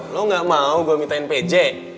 lo gak mau gue minta npj